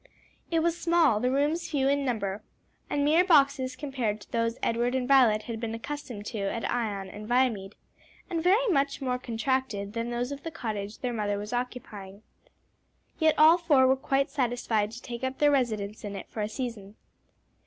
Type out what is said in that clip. It was small, the rooms few in number, and mere boxes compared to those Edward and Violet had been accustomed to at Ion and Viamede; and very much more contracted than those of the cottage their mother was occupying, yet all four were quite satisfied to take up their residence in it for a season.